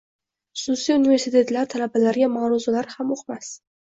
Xususiy universitetlar talabalariga ma’ruzalar ham o‘qimas?